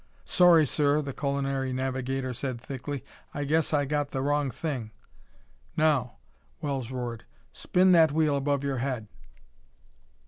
"Sorry, sir," the culinary navigator said thickly. "I guess I got the wrong thing." "Now!" Wells roared. "Spin that wheel above your head....